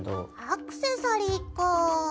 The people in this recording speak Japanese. アクセサリーかぁ。